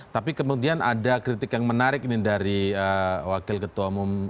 tapi kemudian ada kritik yang menarik ini dari wakil ketua umum